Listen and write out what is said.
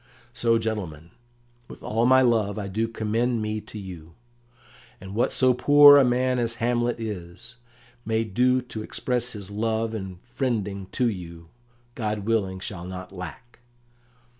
"So, gentlemen, with all my love I do commend me to you; and what so poor a man as Hamlet is, may do to express his love and friending to you, God willing, shall not lack.